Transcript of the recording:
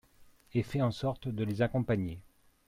et fait en sorte de les accompagner.